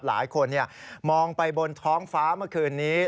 หลายคนมองไปบนท้องฟ้าเมื่อคืนนี้